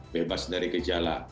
bebas dari gejala